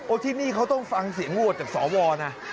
โอ้ที่นี่เขาต้องฟังเสียงวูดจากสวนะ